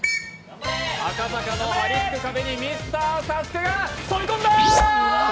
赤坂の張りつく壁にミスターＳＡＳＵＫＥが飛び込んだ！